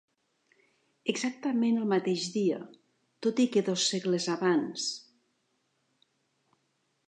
Exactament el mateix dia, tot i que dos segles abans.